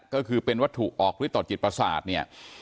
ก็คือเป็นวัตถุออกฤทธิต่อจิตประสาทเนี่ย